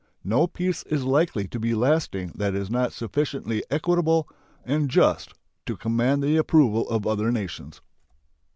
No peace is likely to be lasting that is not sufficiently equitable and just to command the approval of other nations.